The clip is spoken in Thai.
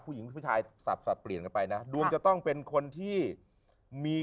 ผู้หญิงผู้ชายสัตว์สัตว์เปลี่ยนไปนะดวงจะต้องเป็นคนที่มี